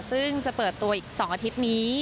ซึ่งจะเปิดตัวอีก๒อาทิตย์นี้